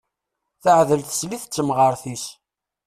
Teɛdel teslit d temɣart-is.